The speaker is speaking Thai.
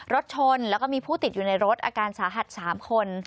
รถชนแล้วก็มีผู้ติดอยู่ในรถอาการสาหัส๓คน